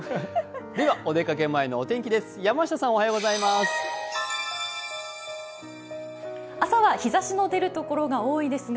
お出かけ前のお天気です。